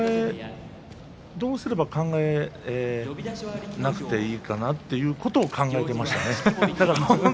どうすればいいか考えなくていいかなっていうことを考えてましたね。